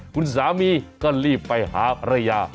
คุณสามีก็รีบไปหาภรรยา